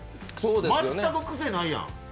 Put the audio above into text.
全く癖ないやん。